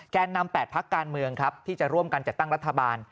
แกนนำ๘ภักดิ์การเมืองที่จะร่วมกันจัดตั้งรัฐบาล